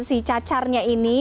si cacarnya ini